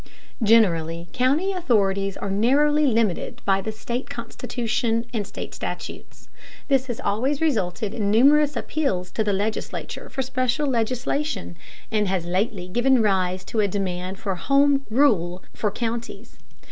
Generally, county authorities are narrowly limited by the state constitution and state statutes. This has always resulted in numerous appeals to the legislature for special legislation, and has lately given rise to a demand for home rule for counties.